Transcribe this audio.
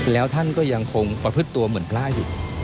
แล้วท่านก็ยังคงประพฤติตัวเหมือนพระอยู่